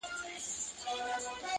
نه مي وېره له برېښنا نه له توپانه٫